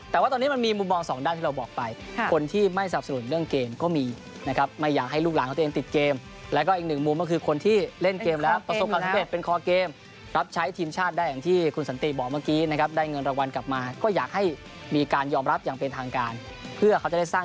แต่ว่าตอนนี้มันมีมุมมองสองด้านที่เราบอกไปคนที่ไม่สนับสนุนเรื่องเกมก็มีนะครับไม่อยากให้ลูกหลานของตัวเองติดเกมแล้วก็อีกหนึ่งมุมก็คือคนที่เล่นเกมแล้วประสบความสำเร็จเป็นคอเกมรับใช้ทีมชาติได้อย่างที่คุณสันติบอกเมื่อกี้นะครับได้เงินรางวัลกลับมาก็อยากให้มีการยอมรับอย่างเป็นทางการเพื่อเขาจะได้สร้าง